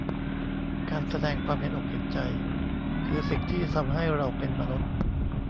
การแสดงความเห็นอกเห็นใจคือสิ่งที่ทำให้เราเป็นมนุษย์